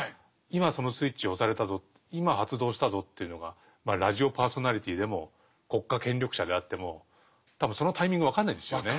今そのスイッチを押されたぞ今発動したぞというのがラジオパーソナリティーでも国家権力者であっても多分そのタイミング分かんないですよね。